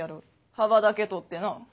幅だけとってな。